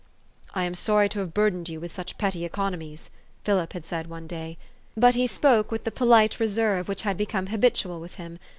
" I am sorry to have you burdened with such petty economies," Philip had said one day. But he spoke with the polite reserve which had become habitual with him.